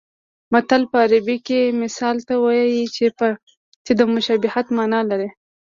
متل په عربي کې مثل ته وایي چې د مشابهت مانا لري